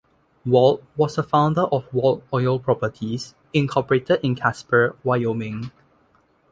Wold was the founder of Wold Oil Properties, Incorporated in Casper, Wyoming.